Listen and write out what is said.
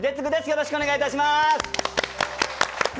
よろしくお願いします。